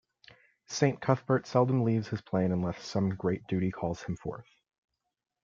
Saint Cuthbert seldom leaves his plane unless some great duty calls him forth.